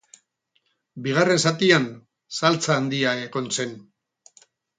Bigarren zatian saltsa handia egon zen.